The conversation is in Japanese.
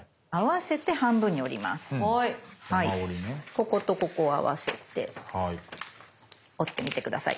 こことここを合わせて折ってみて下さい。